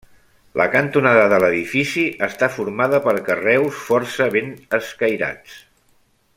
La cantonada de l'edifici està formada per carreus força ben escairats.